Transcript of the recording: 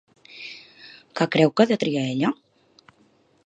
Què creu que ha de triar ella?